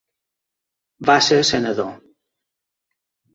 Va ser senador.